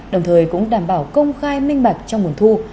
đồng thời cũng đảm bảo công khai minh bạc trong buổi thu